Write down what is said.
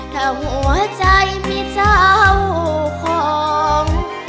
ถ้าหัวใจมีเจ้าของ